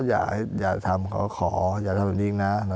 อยากจะทำขออยากจะอย่างงี้นะ